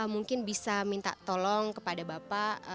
mungkin bisa minta tolong kepada bapak